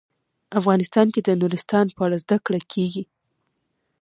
افغانستان کې د نورستان په اړه زده کړه کېږي.